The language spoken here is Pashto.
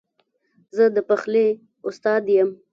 زه د پخلي استاد یم